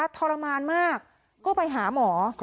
ทรมานมากก็ไปหาหมอ